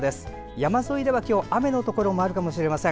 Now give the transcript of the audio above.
山沿いでは今日雨のところもあるかもしれません。